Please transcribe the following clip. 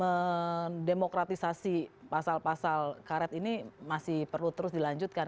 mendemokratisasi pasal pasal karet ini masih perlu terus dilanjutkan